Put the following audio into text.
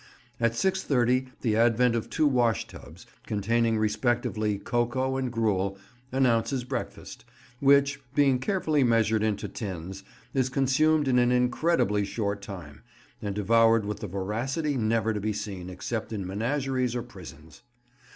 At 6.30 the advent of two wash tubs, containing respectively cocoa and gruel, announces breakfast, which, being carefully measured into tins, is consumed in an incredibly short time, and devoured with the voracity never to be seen except in menageries or prisons.